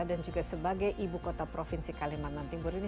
dan juga sebagai ibu kota provinsi kalimantan timur ini